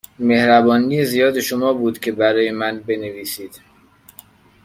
مهربانی زیاد شما بود که برای من بنویسید.